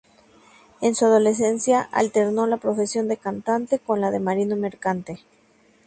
En su adolescencia, alternó la profesión de cantante con la de marino mercante.